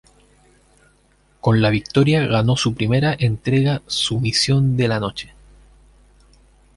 Con la victoria ganó su primera entrega "Sumisión de la Noche".